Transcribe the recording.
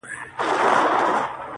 د شپې د راج معراج کي د سندرو ننداره ده،